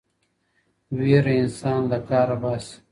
ويره انسان له کاره باسي.